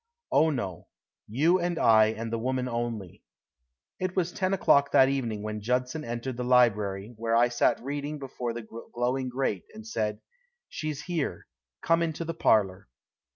"Oh, no. You and I and the woman only." It was ten o'clock that evening when Judson entered the library, where I sat reading before the glowing grate, and said: "She's here. Come into the parlor."